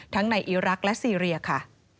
ทั้งในอิรักและซีเรียค่ะ